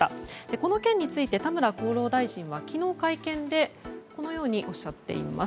この件について、田村厚労大臣は昨日、会見でこのようにおっしゃっています。